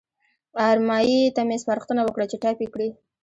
ارمایي ته مې سپارښتنه وکړه چې ټایپ یې کړي.